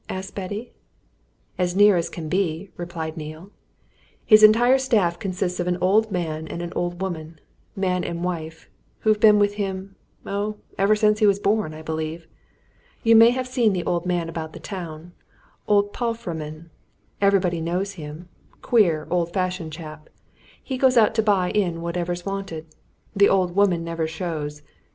asked Betty. "As near as can be," replied Neale. "His entire staff consists of an old man and an old woman man and wife who've been with him oh, ever since he was born, I believe! You may have seen the old man about the town old Palfreman. Everybody knows him queer, old fashioned chap: he goes out to buy in whatever's wanted: the old woman never shows.